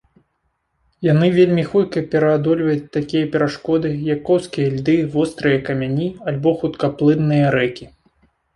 Яны вельмі хутка пераадольваюць такія перашкоды, як коўзкія льды, вострыя камяні альбо хуткаплынныя рэкі.